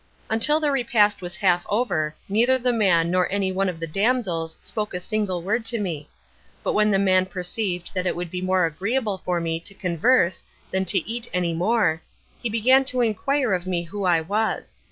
"Until the repast was half over, neither the man nor any one of the damsels spoke a single word to me; but when the man perceived that it would be more agreeable for me to converse than to eat any more, he began to inquire of me who I was.